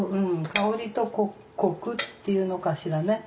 香りとコクっていうのかしらね。